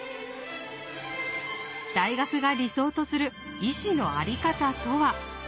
大学が理想とする医師のあり方とは？